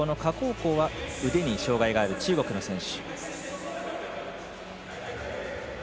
光は腕に障がいがある中国の選手。